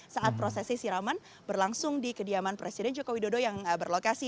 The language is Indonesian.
saat prosesi siraman berlangsung di kediaman presiden joko widodo yang berlokasi